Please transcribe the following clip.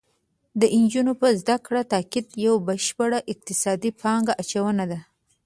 د نجونو په زده کړه تاکید یو بشپړ اقتصادي پانګه اچونه ده